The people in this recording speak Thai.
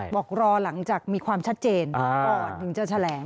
บอกรอหลังจากมีความชัดเจนก่อนถึงจะแถลง